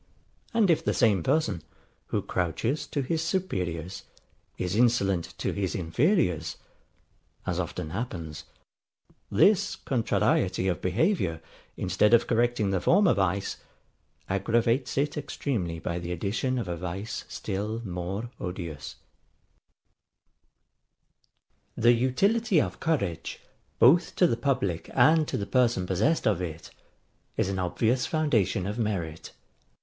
And if the same person, who crouches to his superiors, is insolent to his inferiors (as often happens), this contrariety of behaviour, instead of correcting the former vice, aggravates it extremely by the addition of a vice still more odious. See Sect. VIII.] The utility of courage, both to the public and to the person possessed of it, is an obvious foundation of merit.